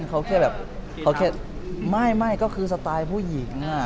เขาแค่แบบไม่ก็คือสไตล์ผู้หญิงอะ